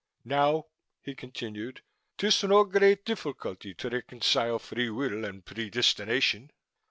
"Now," he continued, "'tis no great difficulty to reconcile free will and predestination."